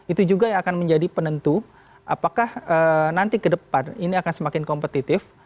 itu juga yang akan menjadi penentu apakah nanti ke depan ini akan semakin kompetitif